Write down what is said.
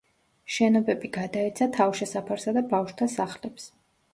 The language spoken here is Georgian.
შენობები გადაეცა თავშესაფარსა და ბავშვთა სახლებს.